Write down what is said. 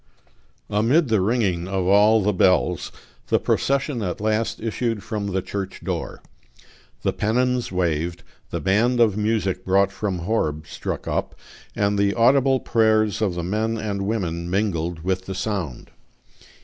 Amid the ringing of all the bells, the procession at last issued from the church door. The pennons waved, the band of music brought from Horb struck up, and the audible prayers of the men and women mingled with the sound.